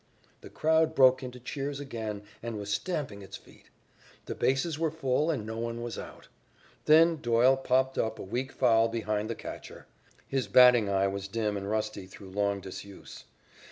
The crowd broke into cheers again and was stamping its feet. The bases were full, and no one was out. Then Doyle popped up a weak foul behind the catcher. His batting eye was dim and rusty through long disuse.